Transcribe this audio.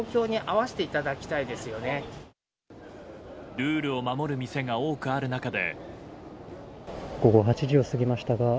ルールを守る店が多くある中で。